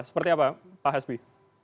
seperti apa pak hasbi